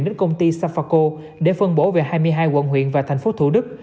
đến công ty safaco để phân bổ về hai mươi hai quận huyện và thành phố thủ đức